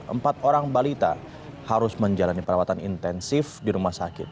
empat orang balita harus menjalani perawatan intensif di rumah sakit